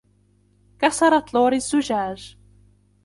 كسرت لوري الزجاج.